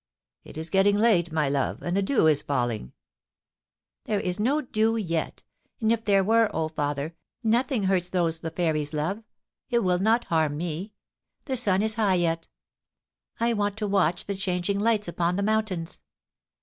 *It is getting late, my love, and the dew is falling.' * There is no dew yet ; and if there were, O father, nothing hurts those the fairies love — it will not harm me. The sun is high yet I want to watch the changing lights upon the mountains.